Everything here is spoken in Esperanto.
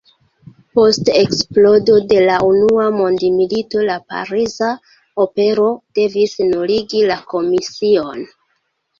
Post eksplodo de la unua mondmilito la Pariza Opero devis nuligi la komision.